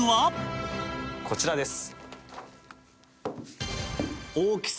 こちらです。